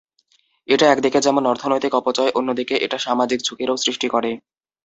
এটা একদিকে যেমন অর্থনৈতিক অপচয়, অন্যদিকে এটা সামাজিক ঝুঁকিরও সৃষ্টি করে।